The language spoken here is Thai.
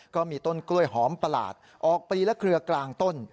ก็มีต้นกล้วยหอมประหลาดออกปลีและเครือกลางต้น